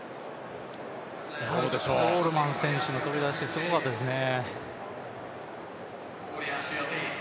コールマン選手の飛び出しすごかったですね。